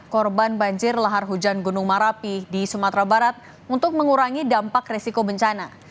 korban banjir lahar hujan gunung merapi di sumatera barat untuk mengurangi dampak resiko bencana